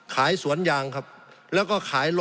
สงบจนจะตายหมดแล้วครับ